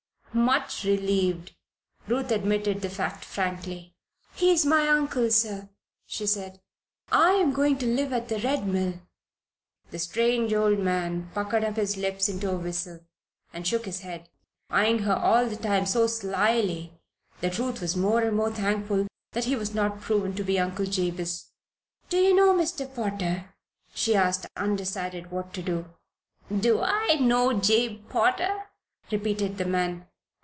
Much relieved, Ruth admitted the fact frankly. "He is my uncle, sir," she said. "I am going to live at the Red Mill." The strange old man puckered up his lips into a whistle, and shook his head, eyeing her all the time so slily that Ruth was more and more thankful that he had not proven to be Uncle Jabez. "Do you know Mr. Potter?" she asked, undecided what to do. "Do I know Jabe Potter?" repeated the man.